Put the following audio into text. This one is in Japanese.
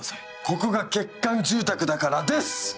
ここが欠陥住宅だからです！